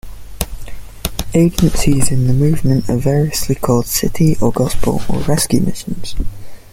Agencies in the movement are variously called "City" or "Gospel" or "Rescue" Missions.